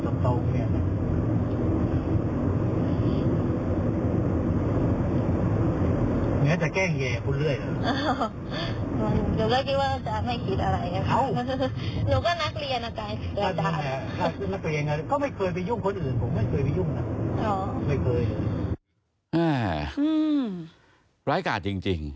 หื้อร้ายกาจจริง